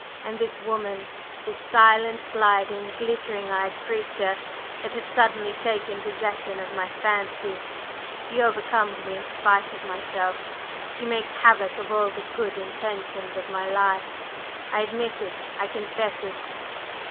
And this woman, this silent, gliding, glittering eyed creature that has suddenly taken possession of my fancy she overcomes me in spite of myself; she makes havoc of all the good intentions of my life. I admit it I confess it!"